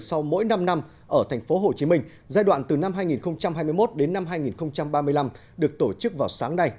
sau mỗi năm năm ở tp hcm giai đoạn từ năm hai nghìn hai mươi một đến năm hai nghìn ba mươi năm được tổ chức vào sáng nay